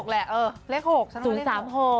แต่เลข๖แหละ๐๓๖